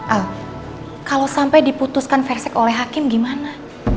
al kalau sampai diputuskan versek oleh hakim gimana